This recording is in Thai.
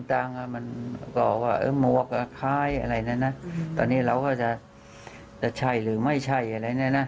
ผมไม่รู้อะไรเลยไม่รู้หลายละเอียดอะไรเลย